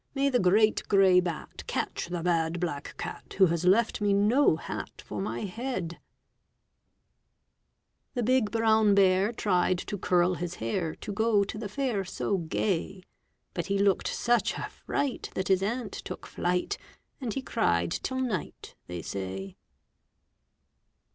"May the great gray bat Catch the bad black cat Who has left me no hat For my head!" The big brown bear Tried to curl his hair To go to the Fair so gay. But he looked such a fright That his aunt took flight, And he cried till night, they say.